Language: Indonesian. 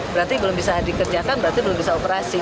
berarti belum bisa dikerjakan berarti belum bisa operasi